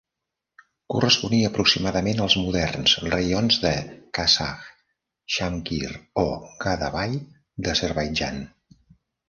Corresponia aproximadament als moderns raions de Qazakh, Shamkir o Gadabay d'Azerbaidjan.